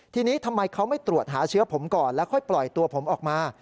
ทีนี้ทำไมเขาไม่ตรวจหาเชื้อผมก่อนแล้วค่อยปล่อยตัวผมออกมา